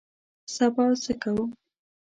سبا څه کوو؟